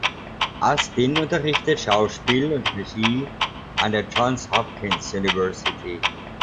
Astin unterrichtet Schauspiel und Regie an der Johns Hopkins University.